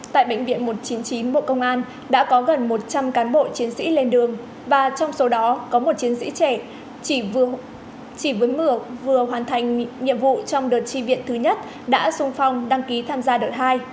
tại bệnh viện một trăm chín mươi chín bộ công an đã có gần một trăm linh cán bộ chiến sĩ lên đường và trong số đó có một chiến sĩ trẻ chỉ với vừa hoàn thành nhiệm vụ trong đợt tri viện thứ nhất đã sung phong đăng ký tham gia đợt hai